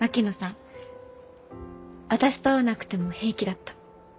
私と会わなくても平気だった。